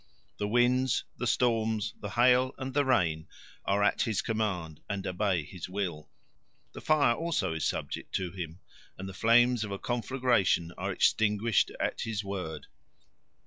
The winds, the storms, the hail, and the rain are at his command and obey his will. The fire also is subject to him, and the flames of a conflagration are extinguished at his word."